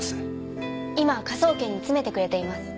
今科捜研に詰めてくれています。